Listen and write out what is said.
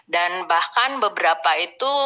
dan bahkan beberapa itu